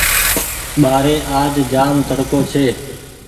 ٻآري آج جآم تڙڪو ڇي۔